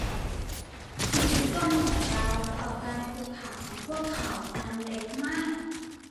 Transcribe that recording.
อิทธิพลของเราต่อการผูกขาดของพวกเขานั้นเล็กมาก